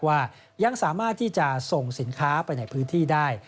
ว่ายังสามารถที่จะส่งสินค้าไปในพื้นที่ได้